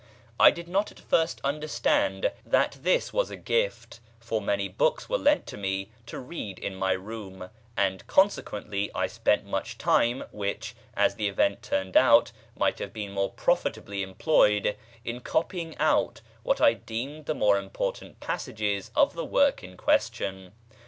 I did not at first understand that this was a gift, for many books were lent to me to read in my room; and consequently I spent much time which, as the event turned out, might have been more profitably employed, in copying out what I deemed the more important passages of the work in question.